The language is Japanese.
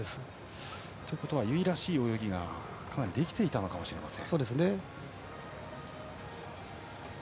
ということは由井らしい泳ぎがかなりできていたかもしれません。